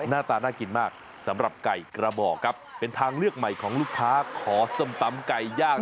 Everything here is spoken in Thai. หน้าตาน่ากินมากสำหรับไก่กระบอกครับเป็นทางเลือกใหม่ของลูกค้าขอส้มตำไก่ย่าง